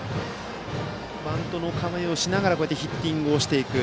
バントの構えをしながらヒッティングをしていく。